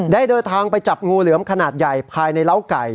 เดินทางไปจับงูเหลือมขนาดใหญ่ภายในเล้าไก่